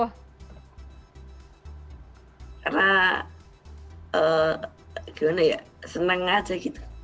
karena gimana ya seneng aja gitu